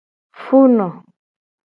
Funo.